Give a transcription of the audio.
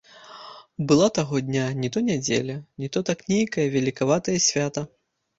Была таго дня не то нядзеля, не то так нейкае велікаватае свята.